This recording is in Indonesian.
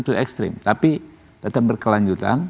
itu ekstrim tapi tetap berkelanjutan